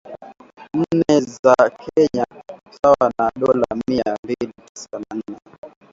nne za Kenya sawa na dola mia mbili tisini na nane